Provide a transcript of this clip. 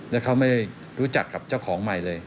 แล้วเขาไม่รู้จักกับเจ้าของใหม่เลย